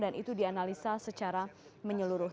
dan itu dianalisa secara menyeluruh